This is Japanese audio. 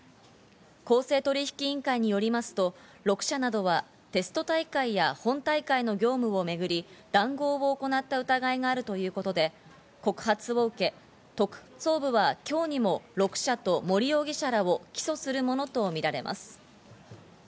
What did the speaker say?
公正取引委員会によりますと、６社などは、テスト大会や本大会の業務をめぐり談合を行った疑いがあるということで、告発を受け、特捜部は今日にも６社と森容疑者らを起訴するものとみられます。